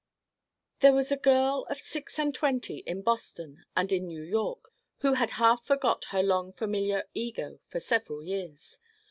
There was a girl of six and twenty in Boston and in New York who had half forgot her long familiar Ego for several years.